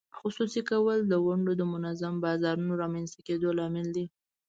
خصوصي کول د ونډو د منظم بازارونو رامینځته کېدو لامل دی.